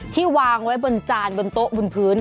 วางไว้บนจานบนโต๊ะบนพื้น